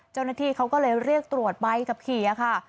เจ้าหน้าที่เขาก็เลยเรียกตรวจใบขับขี่ค่ะ